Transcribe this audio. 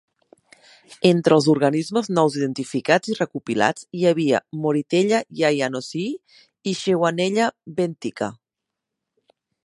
Entre els organismes nous identificats i recopilats, hi havia "moritella yayanosii" i "shewanella benthica".